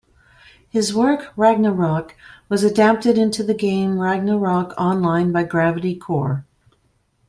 His work "Ragnarok" was adapted into the game Ragnarok Online by Gravity Cor.